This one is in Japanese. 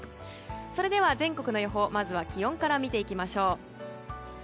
それでは全国の予報まずは気温から見ていきます。